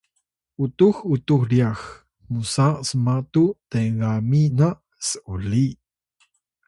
utux utux ryax musa smatu tegami na s’uli